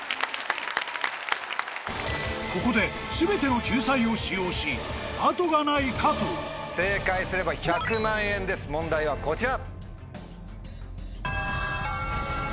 ここで全ての救済を使用し後がない加藤正解すれば１００万円です問題はこちら。